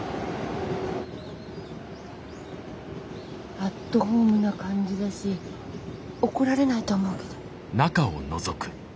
アットホームな感じだし怒られないと思うけど。